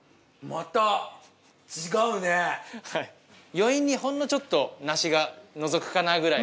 余韻にほんのちょっと梨がのぞくかなくらい。